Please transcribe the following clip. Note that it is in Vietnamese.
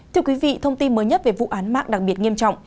thưa quý vị thông tin mới nhất về vụ án mạng đặc biệt nghiêm trọng